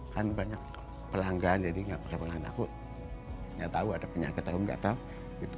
kan banyak pelanggan jadi gak pakai pengaman aku gak tahu ada penyakit atau enggak tahu